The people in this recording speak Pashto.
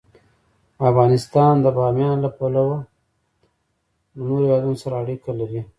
افغانستان د بامیان له پلوه له نورو هېوادونو سره اړیکې لري.